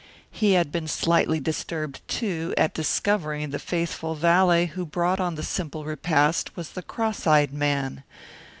He had been slightly disturbed, too, at discovering the faithful valet who brought on the simple repast was the cross eyed man.